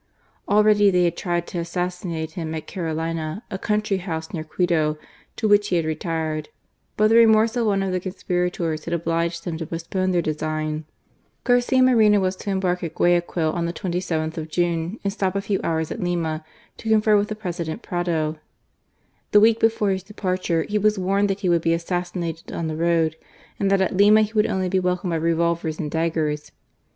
Already they had tried to assassinate him at Carolina, a country house near Quito to which he had retired ; but the remorse of one of the conspirators had obliged them to postpone their design. 174 G4HCIA MORENO, Garcia Moreno was to embark at Guayaquil on the 27th of June> and stop a few hour$ at Limi %o confer with the President Prado. The week he^m his departure he was warned that he would be assassinated on the road, and that at Lima lie would only be welcomed by revolvers aiid dagg^irs.